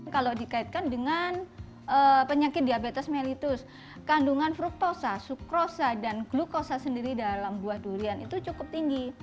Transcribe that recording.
kalau dikaitkan dengan penyakit diabetes mellitus kandungan fruktosa sukrosa dan glukosa sendiri dalam buah durian itu cukup tinggi